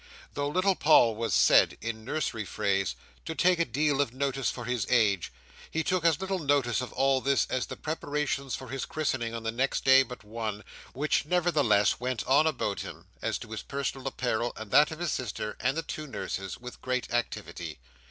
Though little Paul was said, in nursery phrase, "to take a deal of notice for his age," he took as little notice of all this as of the preparations for his christening on the next day but one; which nevertheless went on about him, as to his personal apparel, and that of his sister and the two nurses, with great activity.